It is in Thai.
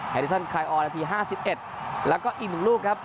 ดิสันไคออนนาที๕๑แล้วก็อีก๑ลูกครับ